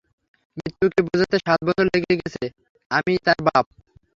মৃত্যুকে বুঝাতে সাত বছর লেগে গেছে যে, আমি তার বাপ।